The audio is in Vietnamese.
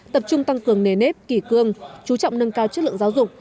tập trung tăng cường nề nếp kỷ cương chú trọng nâng cao chất lượng giáo dục